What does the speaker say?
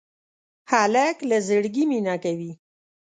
هلک له زړګي مینه کوي.